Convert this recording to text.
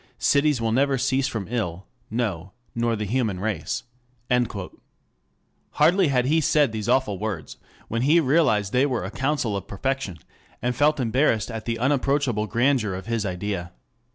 cities will never cease from ill, no, nor the human race..." Hardly had he said these awful words, when he realized they were a counsel of perfection, and felt embarrassed at the unapproachable grandeur of his idea.